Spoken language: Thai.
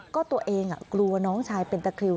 ก็ตัวเองกลัวน้องชายเป็นตะคริว